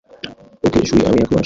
ওকে শুইয়ে আমি এখনই আসছি।